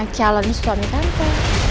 cialan suami tante